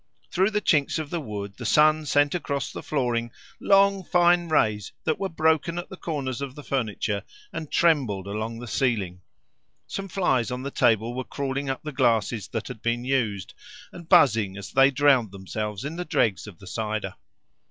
Through the chinks of the wood the sun sent across the flooring long fine rays that were broken at the corners of the furniture and trembled along the ceiling. Some flies on the table were crawling up the glasses that had been used, and buzzing as they drowned themselves in the dregs of the cider.